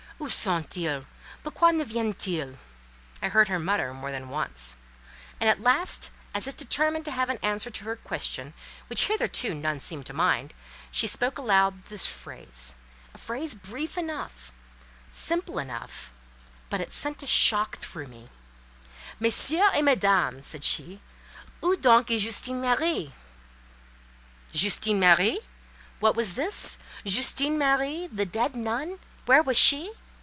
"Où sont ils? Pourquoi ne viennent ils?" I heard her mutter more than once; and at last, as if determined to have an answer to her question—which hitherto none seemed to mind, she spoke aloud this phrase—a phrase brief enough, simple enough, but it sent a shock through me—"Messieurs et mesdames," said she, "où donc est Justine Marie?" "Justine Marie!" What was this? Justine Marie—the dead nun—where was she?